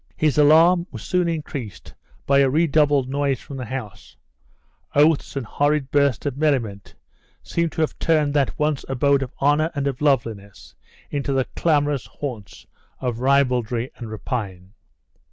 His alarm was soon increased by a redoubled noise from the house; oaths and horrid bursts of merriment seemed to have turned that once abode of honor and of loveliness into the clamorous haunts of ribaldry and rapine.